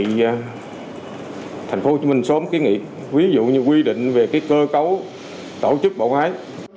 đề nghị thành phố hồ chí minh sớm kiến nghị ví dụ như quy định về cái cơ cấu tổ chức bộ máy